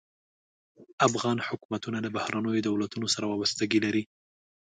افغان حکومتونه له بهرنیو دولتونو سره وابستګي لري.